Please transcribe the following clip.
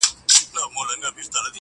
څوك به نيسي ګرېوانونه د غازيانو،